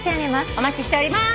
お待ちしております。